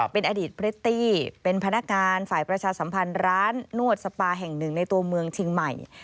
เป็นอดีตพริตตี้เป็นพนักงานฝ่ายประชาสัมพันธ์ร้านนวดสปาแห่งหนึ่งในตัวเมืองเชียงใหม่